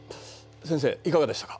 先生いかがでしたか？